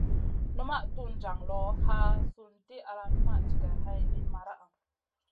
Numaʼ tun jaŋ loʼ, haa sùn di ala numaʼ jigay hay liyn maraʼa.